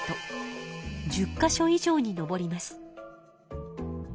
１０か所以上に上ります。